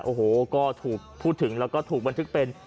โอ้โหก็ถูกพูดถึงแล้วก็ถูกบันทึกเป็น